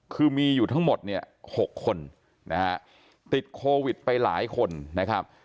คือมีอยู่ทั้งหมดเนี่ย๖คนนะฮะติดโควิดไปหลายคนนะครับ